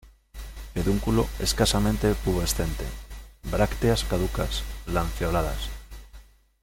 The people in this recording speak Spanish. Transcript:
Pedúnculo escasamente pubescente; brácteas caducas, lanceoladas.